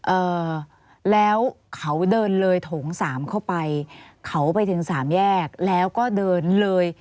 เอ่อแล้วเขาเดินเลยโถงสามเข้าไปเขาไปถึงสามแยกแล้วก็เดินเลย